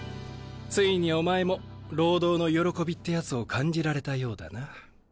ついにお前も労働の喜びってやつを感じられたようだな。